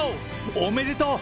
おめでとう。